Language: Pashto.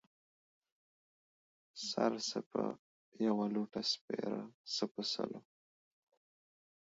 سر څه په يوه لوټۀ سپيره ، څه په سلو.